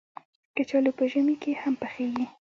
کچالو په ژمي کې هم پخېږي